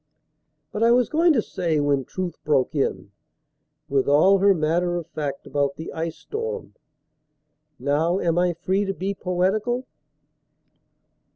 But I was going to say when Truth broke in With all her matter of fact about the ice storm (Now am I free to be poetical?)